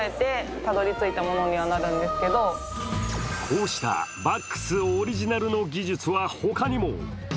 こうしたバックスオリジナルの技術はほかにも。